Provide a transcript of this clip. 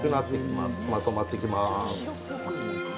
まとまってきます。